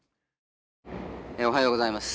おはようございます。